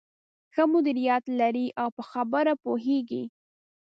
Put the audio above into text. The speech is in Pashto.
ښه مديريت لري او په خبره پوهېږې.